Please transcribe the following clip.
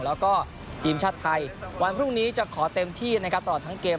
แล้วก็ทีมชาติไทยวันพรุ่งนี้จะขอเต็มที่นะครับตลอดทั้งเกม